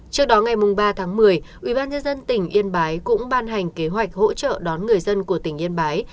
trước đó ngày ba tháng một mươi ubnd tỉnh yên bái cũng ban hành kế hoạch hỗ trợ đón người dân của tỉnh yên bái